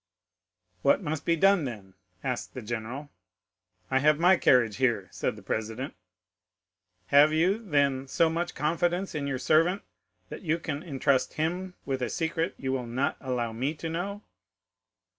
"What must be done then?" asked the general.—"I have my carriage here," said the president. "'"Have you, then, so much confidence in your servant that you can intrust him with a secret you will not allow me to know?"